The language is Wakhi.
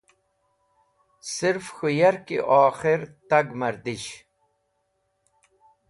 Sirf k̃hũ yarki okhir tag mr dish,